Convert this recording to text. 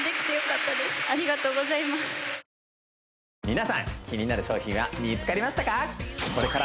皆さんキニナル商品は見つかりましたか？